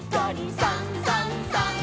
「さんさんさん」